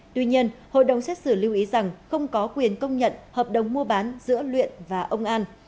tuy nhiên hội đồng xét xử lưu ý rằng không có quyền công nhận hợp đồng mua bán giữa luyện và ông an